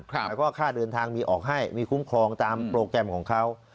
แล้วก็ค่าเดินทางมีออกให้มีคุ้มครองตามโปรแกรมของเขา